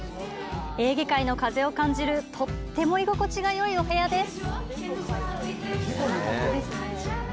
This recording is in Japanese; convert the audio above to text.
エーゲ海の風を感じるとっても居心地がいいお部屋です。